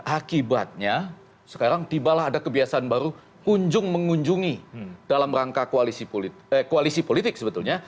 akibatnya sekarang tibalah ada kebiasaan baru kunjung mengunjungi dalam rangka koalisi politik sebetulnya